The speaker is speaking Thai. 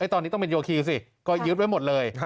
ตอนนี้ต้องเป็นโยคีสิก็ยึดไว้หมดเลย